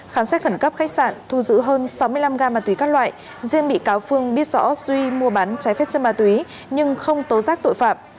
khám xét khẩn cấp khách sạn thu giữ hơn sáu mươi năm ga ma túy các loại riêng bị cáo phương biết rõ duy mua bán trái phép chất ma túy nhưng không tố giác tội phạm